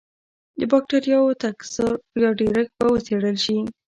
د بکټریاوو تکثر یا ډېرښت به وڅېړل شي.